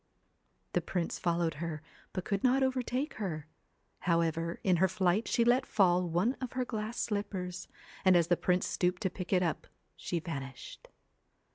The prince followed her, but could not overtake her ; however, in her flight she let fall one of her glass slippers, and as the prince stooped to pick it up she vanished.